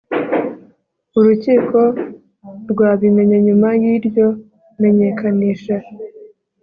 Urukiko rwabimenye nyuma y iryo menyekanisha